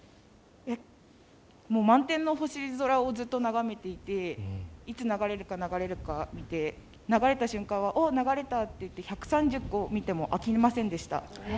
満点の星空をずっと眺めていて、いつ流れるか、流れるか見て、流れた瞬間はお、流れたっていって１３０個見ても飽きませんでした。